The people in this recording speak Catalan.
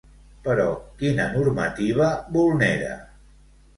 Però quina normativa vulnera?